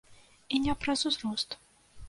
І не праз узрост.